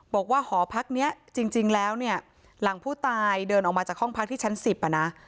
บอกว่าหอพักนี้จริงแล้วเนี่ยหลังผู้ตายเดินออกมาจากห้องพักที่ชั้น๑๐อ่ะนะ